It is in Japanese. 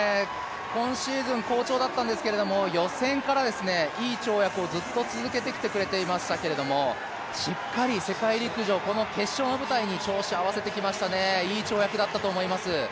今シーズン好調だったんですけど予選からいい跳躍をずっと続けてきてくれていましたけれども、しっかり世界陸上、この決勝の舞台に調子合わせてきましたね、いい跳躍だったと思います。